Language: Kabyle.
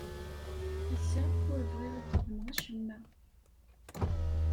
Ass-a ur bɣiɣ ad xedmeɣ acemma.